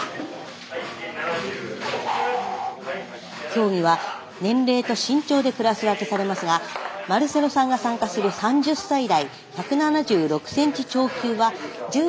競技は年齢と身長でクラス分けされますがマルセロさんが参加する３０歳代１７６ｃｍ超級は１０人がエントリー。